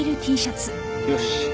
よし。